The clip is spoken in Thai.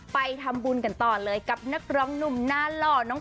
ไปทำบุญกันต่อเลยกับนักร้องหนุ่มหน้าหล่อน้อง